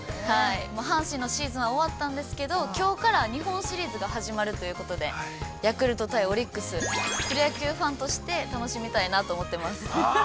阪神のシーズンは終わったんですけど、きょうから日本シリーズが始まるということでヤクルト対オリックス、プロ野球ファンとして楽しみたいなと思ってます。